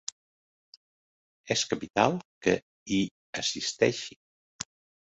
És capital que hi assisteixi.